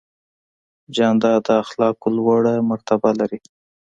جانداد د اخلاقو لوړه مرتبه لري.